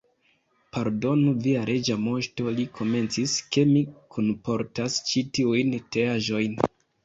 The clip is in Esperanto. "Pardonu, via Reĝa Moŝto," li komencis, "ke mi kunportas ĉi tiujn teaĵojn.